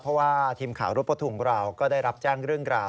เพราะว่าทีมข่าวรถประทุกข์ของเราก็ได้รับแจ้งเรื่องราว